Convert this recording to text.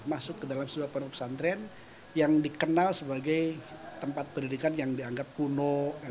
masuk ke dalam sebuah pondok pesantren yang dikenal sebagai tempat pendidikan yang dianggap kuno